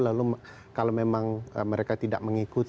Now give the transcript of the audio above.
lalu kalau memang mereka tidak mengikuti